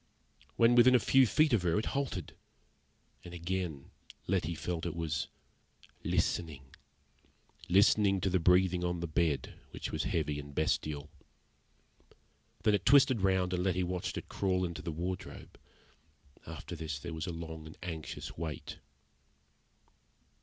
When within a few feet of her it halted; and again Letty felt it was listening listening to the breathing on the bed, which was heavy and bestial. Then it twisted round, and Letty watched it crawl into the wardrobe. After this there was a long and anxious wait.